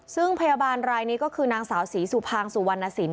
ซึ่งพยาบาลรายนี้ก็คือนางสาวศรีสุภางสุวรรณสิน